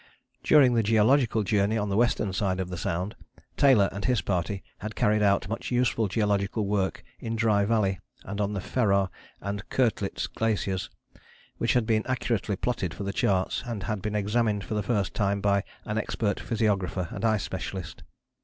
During the geological journey on the western side of the Sound, Taylor and his party had carried out much useful geological work in Dry Valley and on the Ferrar and Koettlitz Glaciers, which had been accurately plotted for the charts, and had been examined for the first time by an expert physiographer and ice specialist.